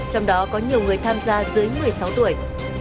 trong đó có nhiều người tham gia dưới một mươi sáu tuổi